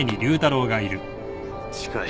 近い。